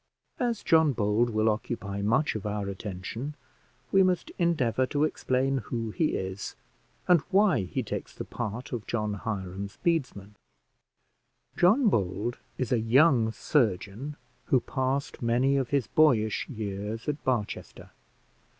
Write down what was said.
As John Bold will occupy much of our attention, we must endeavour to explain who he is, and why he takes the part of John Hiram's bedesmen. John Bold is a young surgeon, who passed many of his boyish years at Barchester.